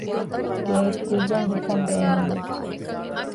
ގެއެއް ކުއްޔަށް ހިފަންބޭނުންވެއްޖެ